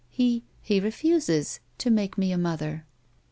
" He — he refuses — to make me a mother."